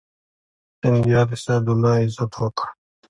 سیندیا د سعد الله عزت وکړ.